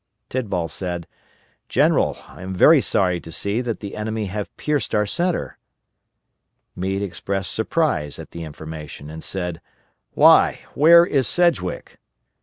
Tidball said, "General, I am very sorry to see that the enemy have pierced our centre." Meade expressed surprise at the information and said, "Why, where is Sedgwick?"